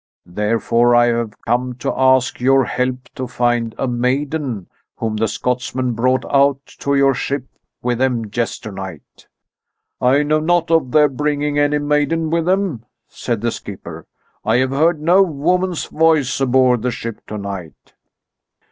Therefore I have come to ask your help to find a maiden whom the Scotsmen brought out to your ship with them yester night." "I know naught of their bringing any maiden with them," said the skipper. "I have heard no woman's voice aboard the ship tonight."